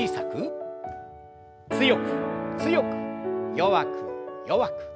強く強く弱く弱く。